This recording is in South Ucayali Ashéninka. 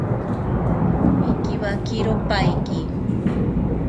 Pikiwakiro paiki